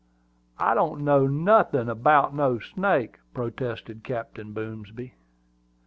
I don't know nothin' about no snake," protested Captain Boomsby.